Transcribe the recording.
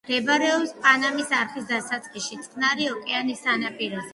მდებარეობს პანამის არხის დასაწყისში, წყნარი ოკეანის სანაპიროზე.